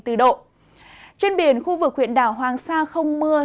trên biển khu vực huyện đảo hoàng sa không mưa